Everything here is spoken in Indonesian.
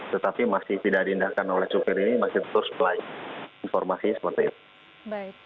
tetapi masih tidak diindahkan oleh supir ini masih terus supply informasi seperti itu